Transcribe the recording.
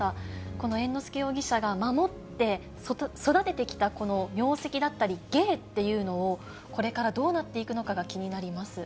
この猿之助容疑者が守って、育ててきたこの名跡だったり、芸というのを、これからどうなっていくのかが気になります。